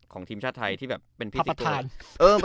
ของทีมชาติไทยที่แบบเป็นพี่สิทธิ์ตัว